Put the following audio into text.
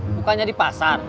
bukannya di pasar